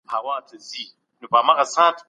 د عاقلي او بالغي ثيبې په حق کي استئمار واجب دی.